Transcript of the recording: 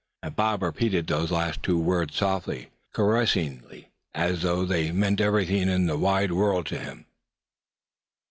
and Bob repeated those last two words softly, caressingly, as though they meant everything in the wide world to him.